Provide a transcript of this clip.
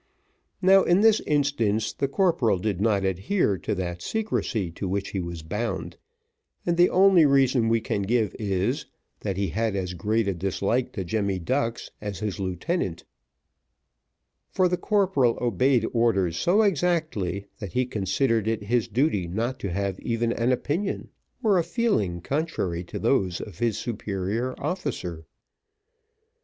Now, in this instance, the corporal did not adhere to that secrecy to which he was bound, and the only reason we can give is, that he had as great a dislike to Jemmy Ducks as his lieutenant for the corporal obeyed orders so exactly, that he considered it his duty not to have even an opinion or a feeling contrary to those of his superior officer.